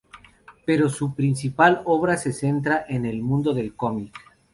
Pero su principal obra se centra en el mundo del comic.